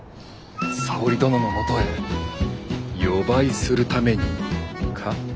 沙織殿のもとへ夜ばいするためにか？